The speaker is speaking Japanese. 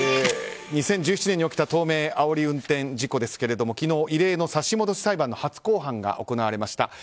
２０１７年に起きた東名あおり運転事故ですが昨日、異例の差し戻し裁判の初公判が行われました。